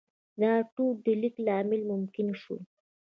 دا ټول د لیک له امله ممکن شول.